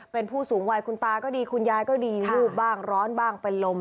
เป็นผู้สูงวัยคุณตาก็ดีคุณยายก็ดีวูบบ้างร้อนบ้างเป็นลม